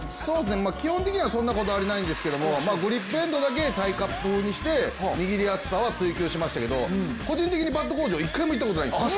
基本的にはそんなこだわりないんですけれども、グリップエンドだけ握りやすさだけは追求しましたけど、個人的にバット工場は一回も行ったことないんです。